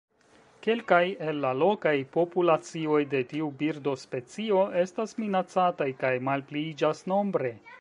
Kelkaj el la lokaj populacioj de tiu birdospecio estas minacataj kaj malpliiĝas nombre.